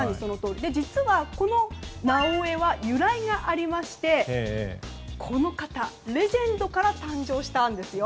実は、このなおエには由来がありましてこの方、レジェンドからきたんですよ。